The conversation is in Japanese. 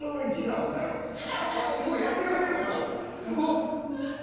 すごっ！